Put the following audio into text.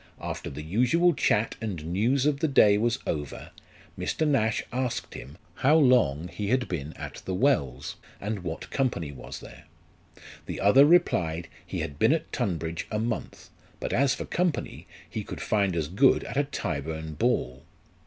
After the usual chat and news of the day was over, Mr. Nash asked him, how long he had been at the Wells, and what company was there ? The other replied, he had been at Tunbridge a month : but as for company, he could find as good at a Tyburn ball.